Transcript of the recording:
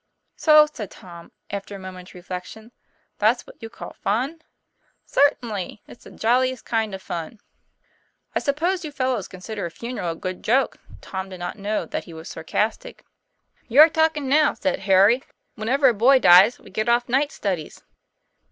"So," said Tom, after a moment's reflection, "that's what you call fun?" "Certainly; it's the jolliest kind of fun." " I suppose you fellows consider a funeral a good joke." Tom did not know that he was sarcastic. "You're talking now," said Harry. "Whenever a boy dies we get off night studies."